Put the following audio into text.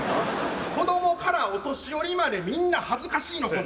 子どもからお年寄りまで、みんな恥ずかしいの、これ。